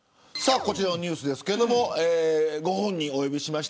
こちらのニュースですけどご本人をお呼びしました。